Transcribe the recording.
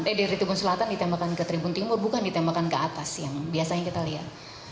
eh dari tribun selatan ditembakkan ke tribun timur bukan ditembakkan ke atas yang biasanya kita lihat